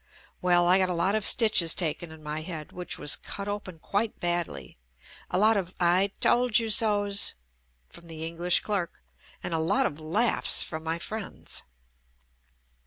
Well, I got a lot of stitches taken in my head (which was cut open quite badly) , a lot of "I told you sos" from the Eng lish clerk, and a lot of laughs from my friends.